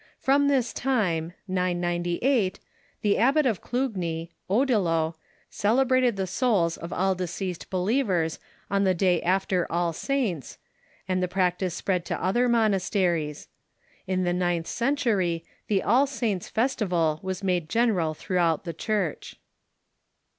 From this time, 998, the Abbot of Clugny, Odilo, celebrated the souls of all deceased believers on the day after All Saints', and the practice spread to other monasteries. In the ninth century the All Saints festival was made sreneral throughout the Church.